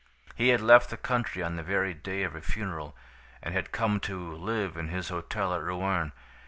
"He had left the country on the very day of her funeral, and had come to live in his hotel at Rouen.